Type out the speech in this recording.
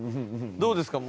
どうですか？